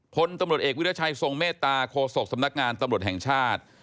พลตำรวจเอกวิรัชัยทรงเมตตาโคศกสำนักงานตำรวจแห่งชาติ